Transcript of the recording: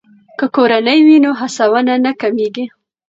که کورنۍ وي نو هڅونه نه کمیږي.